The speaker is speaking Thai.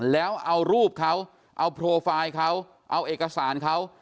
แล้วเอารูปเขาเอาโปรไฟล์เขาเอาเอกสารเขา